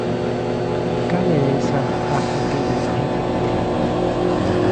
¿Cal é esa actitude receptiva?